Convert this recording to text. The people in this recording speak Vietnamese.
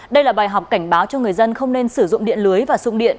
đây là bài học cảnh báo cho người dân không nên sử dụng điện lưới và sung điện